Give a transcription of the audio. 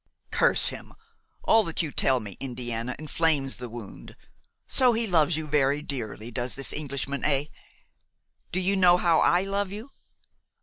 "Curse him! all that you tell me, Indiana, inflames the wound. So he loves you very dearly, does this Englishman, eh? Do you know how I love you?"